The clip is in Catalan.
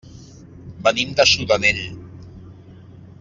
Venim de Sudanell.